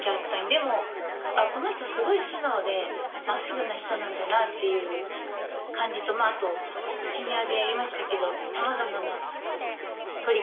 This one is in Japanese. でもこの人すごい素直で真っすぐな人なんだなっていう感じとあと１２話でやりましたけど。